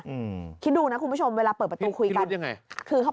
อืมคิดดูนะคุณผู้ชมเวลาเปิดประตูคุยกันยังไงคือเขา